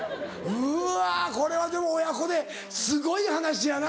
うわこれはでも親子ですごい話やな。